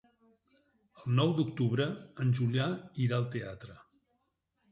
El nou d'octubre en Julià irà al teatre.